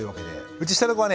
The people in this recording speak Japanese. うち下の子はね